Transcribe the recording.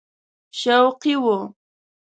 شوقي وو.